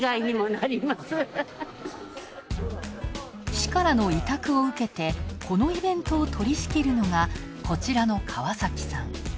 市からの委託を受けて、このイベントを取りしきるのが、こちらの川崎さん。